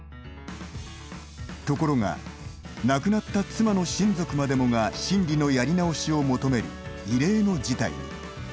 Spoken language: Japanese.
ところが亡くなった妻の親族までもが審理のやり直しを求める異例の事態に。